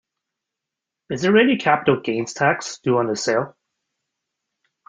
Is there any Capital Gains tax due on this sale?